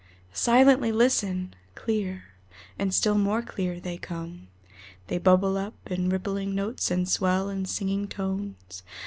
Silently listen! Clear, and still more clear, they come. They bubble up in rippling notes, and swell in singing tones.